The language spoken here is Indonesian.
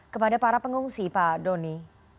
kepada para pengungsi pak doni